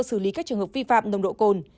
xử lý các trường hợp vi phạm nồng độ cồn